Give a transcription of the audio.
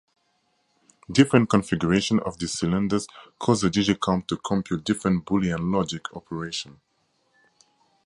Different configurations of these cylinders caused the Digi-Comp to compute different boolean logic operations.